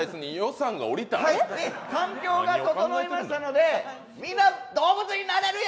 環境が整いましたのでみんな、動物になれるよ！